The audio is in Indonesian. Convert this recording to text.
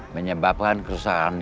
menyebabkan kerusakan gigi